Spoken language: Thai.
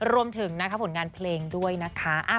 รวมถึงนะคะผลงานเพลงด้วยนะคะ